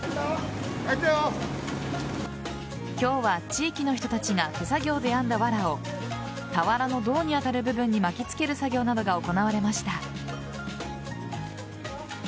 今日は、地域の人たちが手作業で編んだわらを俵の胴に当たる部分に巻き付ける作業などが行われました。